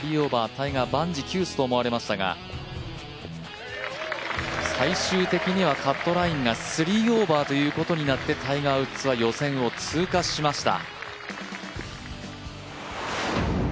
タイガー、万事休すと思われましたが最終的にはカットラインが３オーバーということになってタイガー・ウッズは予選を通過しました。